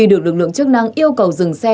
được lực lượng chức năng yêu cầu dừng xe